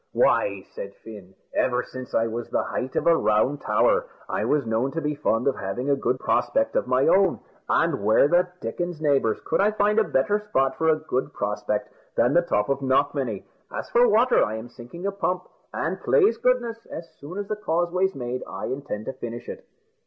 "Why," said Fin, "ever since I was the height of a round tower, I was known to be fond of having a good prospect of my own; and where the dickens, neighbours, could I find a better spot for a good prospect than the top of Knockmany? As for water, I am sinking a pump, and, plase goodness, as soon as the Causeway's made, I intend to finish it."